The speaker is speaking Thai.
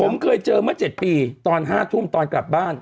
ผมเคยเจอเมื่อ๗ปีตอน๕ทุ่มตอนกลับบ้าน